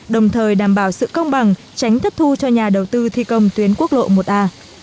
đồng thời đảm bảo sự công bằng tránh thất thu cho nhà đầu tư thi công tuyến quốc lộ một a